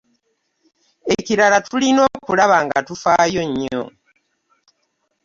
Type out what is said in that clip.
Ekirala tulina okulaba nga tufaayo nnyo.